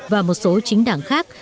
và một số chính đảng khác